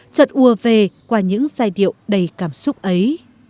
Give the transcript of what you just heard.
trận ùa về qua những giai điệu đầy cảm xúc ấy